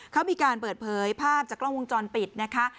เขามีการเปิดเผยภาพจากกล้องวงจรปิดนะคะ